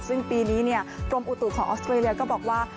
ซึ่งปีนี้กรมอุตุของออสเตรเลียก็บอกว่า